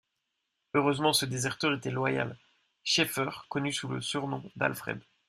Heureusement ce déserteur était loyal, Schaefer, connu sous le surnom d'Alfred.